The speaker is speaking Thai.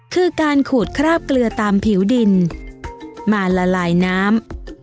คือการขูดคราบเกลือตามผิวดินมาละลายน้ำ